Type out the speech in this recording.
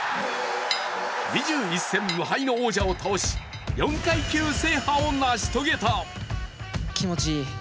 ２１戦無敗の王者を制し、４階級制覇を成し遂げた。